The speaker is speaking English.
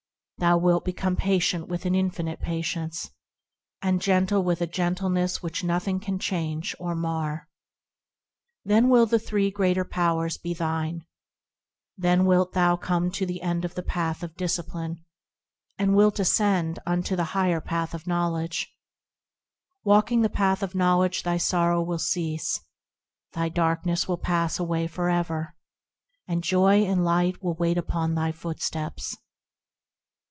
Thou wilt become patient with an infinite patience, And gentle with a gentleness which nothing can change or mar ; Then will the three greater powers be thine ; Then wilt thou come to the end of the path of discipline, And wilt ascend unto the higher path of knowledge ; Walking the path of knowledge thy sorrow will cease. Thy darkness will pass away for ever, And joy and light will wait upon thy footsteps.